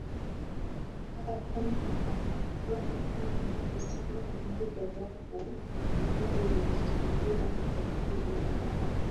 aa kama ama ni sababu moja wapo ambayo inachangia matatizo mabaya